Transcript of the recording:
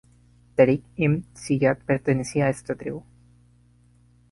Táriq ibn Ziyad pertenecía a esta tribu.